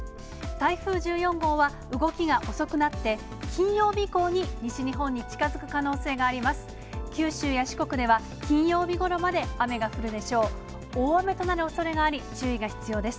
台風１４号は動きが遅くなって、金曜日以降に西日本に近づく可能性があります。